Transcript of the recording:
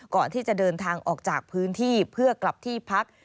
ก่อนที่จะเดินทางออกจากพื้นที่เพื่อกลับที่พัก